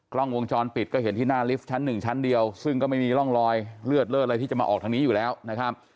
กล้องวงจรปิดก็เห็นที่หน้าลิฟท์ชั้นหนึ่งชั้นเดียวซึ่งก็ไม่มีร่องรอยเลือดเลิศอะไรที่จะมาออกทางนี้อยู่แล้วนะครับ